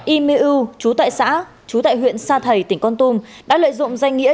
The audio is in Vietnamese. hai nghìn một mươi năm imu chú tại xã chú tại huyện sa thầy tỉnh con tum đã lợi dụng danh nghĩa